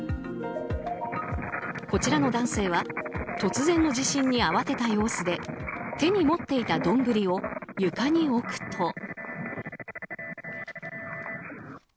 こちらの男性は突然の地震に慌てた様子で手に持っていた丼を床に置くと。